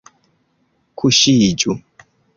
Kuŝiĝu!